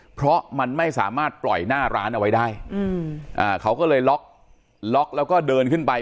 เพราะมันไม่สามารถปล่อยหน้าร้านเอาไว้ได้เขาก็เลยล็อกล็อกแล้วก็เดินขึ้นไป